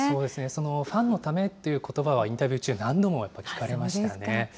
そのファンのためということばは、インタビュー中、何度もやっぱり聞かれましたね。